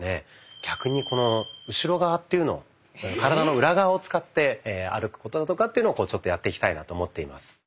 逆に後ろ側というのを。ええ⁉体の裏側を使って歩くことだとかっていうのをちょっとやっていきたいなと思っています。